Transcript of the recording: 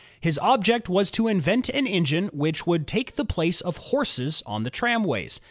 His object was to invent an engine which would take the place of horses on the tramways.